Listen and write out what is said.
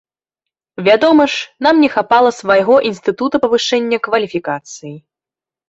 Вядома ж, нам не хапала свайго інстытута павышэння кваліфікацыі.